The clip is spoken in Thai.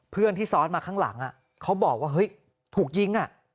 เพื่อนที่ซ้อนมาข้างหลังเขาบอกว่าเฮ้ยถูกยิง